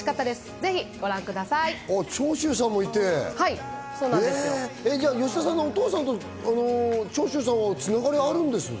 ぜひ、吉田さんのお父さんと長州さんはつながり、あるんですね。